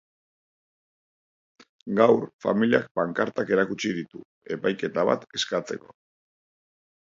Gaur, familiak pankartak erakutsi ditu, epaiketa bat eskatzeko.